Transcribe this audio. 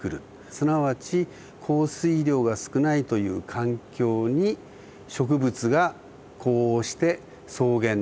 すなわち降水量が少ないという環境に植物が呼応して草原が広がる。